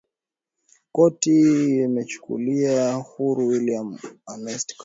korti ilimwachilia huru william ernest carter